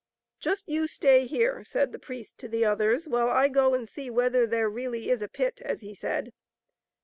" Just you stay here," said the priest to the others, " while I go and see whether there really is a pit as he said."